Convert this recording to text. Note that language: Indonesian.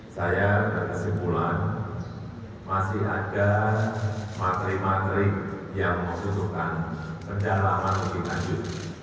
saya berkesimpulan masih ada matri matrik yang membutuhkan kedalaman lebih lanjut